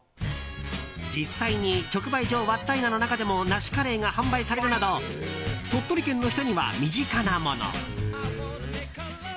実際に、直売所わったいなの中でもナシカレーが販売されるなど鳥取県の人には身近なもの。